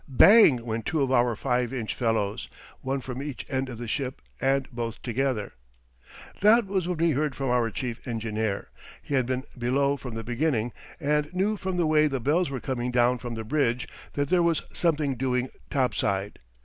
Bang! went two of our 5 inch fellows, one from each end of the ship and both together. That was when we heard from our chief engineer. He had been below from the beginning, and knew from the way the bells were coming down from the bridge that there was something doing topside.